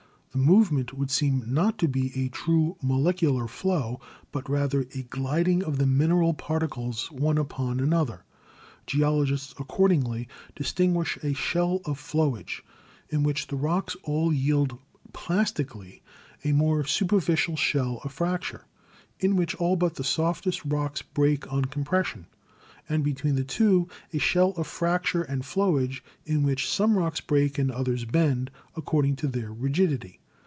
The move ment would seem not to be a true molecular flow, but rather a gliding of the mineral particles one upon another. Geologists accordingly distinguish a shell of flowage, in which the rocks all yield plastically a more superficial shell of fracture, in which all but the softest rocks break on compression, and between the two a shell of fracture and flowage in which some rocks break and others bend, according to their rigidity.